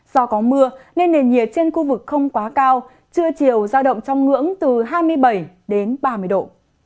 do có mưa nên nền nhiệt trên khu vực không quá cao trưa chiều giao động trong ngưỡng từ hai mươi bảy đến ba mươi độ